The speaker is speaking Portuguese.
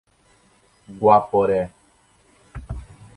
Guaporé